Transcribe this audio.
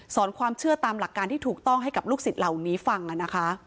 ความเชื่อตามหลักการที่ถูกต้องให้กับลูกศิษย์เหล่านี้ฟังนะคะ